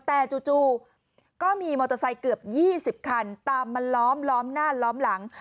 แต่จู่ก็มีมอเตอร์ไซค์เกือบ๒๐คันตามมาล้อมล้อมหน้าล้อมหลัง